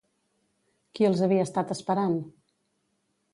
Qui els havia estat esperant?